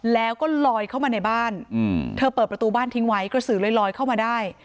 แล้วก็ลอยเข้ามาในบ้านเธอเปิดประตูบ้านทิ้งไว้กระสือลอยเข้ามาได้